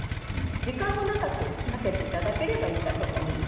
時間を長くかけていただければいいと思います。